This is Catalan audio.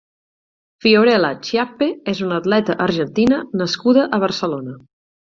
Fiorella Chiappe és una atleta argentina nascuda a Barcelona.